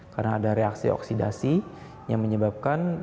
karena ada reaksi oksigen sehingga bayam itu akan terlihat lebih berbahaya